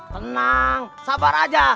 tenang sabar aja